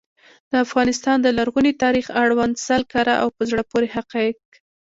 د افغانستان د لرغوني تاریخ اړوند سل کره او په زړه پوري حقایق.